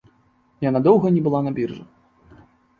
Яна доўга не была на біржы.